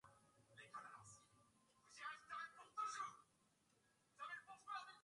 Shule hiyo si tu hufundisha na kutangaza utamaduni